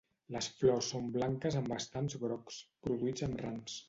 Les flors són blanques amb estams grocs, produïts en rams.